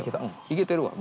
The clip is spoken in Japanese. いけてるわ。